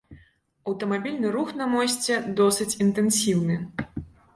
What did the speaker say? Аўтамабільны рух на мосце досыць інтэнсіўны.